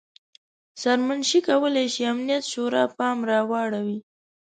سرمنشي کولای شي امنیت شورا پام راواړوي.